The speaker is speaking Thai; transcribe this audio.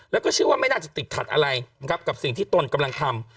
แล้วก็เชื่อว่าไม่น่าจะติดขัดอะไรนะครับกับสิ่งที่ตนกำลังทำ